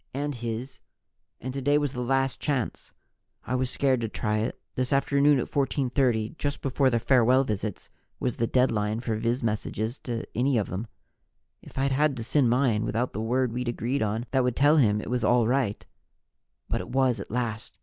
"And his. And today was the last chance. I was scared to try it. This afternoon at 14:30, just before the farewell visits, was the deadline for viz messages to any of them. If I'd had to send mine without the word we'd agreed on that would tell him it was all right But it was, at last!